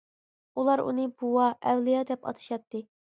ئۇلار ئۇنى «بوۋا» ، «ئەۋلىيا» دەپ ئاتىشاتتى.